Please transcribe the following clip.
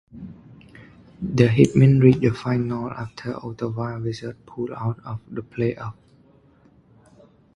The Hitmen reached the finals after Ottawa Wizards pulled out of the playoffs.